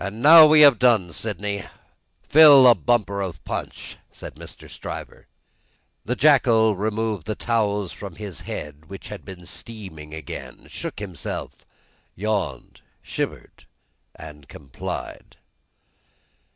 "And now we have done, Sydney, fill a bumper of punch," said Mr. Stryver. The jackal removed the towels from his head, which had been steaming again, shook himself, yawned, shivered, and complied.